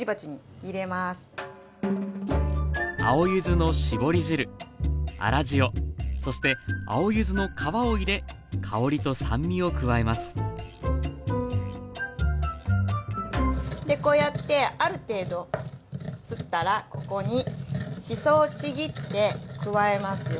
青柚子の搾り汁粗塩そして青柚子の皮を入れ香りと酸味を加えますでこうやってある程度すったらここにしそをちぎって加えますよ。